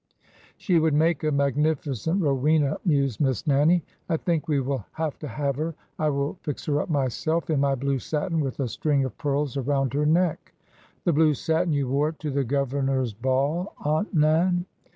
She would make a magnificent Rowena" mused Miss Nannie. I think we will have to have her. I will fix her up myself — in my blue satin, with a string of pearls around her neck." " The blue satin you wore to the governor's ball. Aunt Nan?